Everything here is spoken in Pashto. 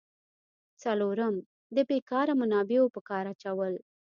څلورم: د بیکاره منابعو په کار اچول.